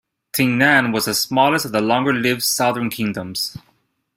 Jingnan was the smallest of the longer-lived southern kingdoms.